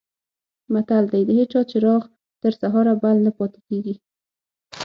متل دی: د هېچا چراغ تر سهاره بل نه پاتې کېږي.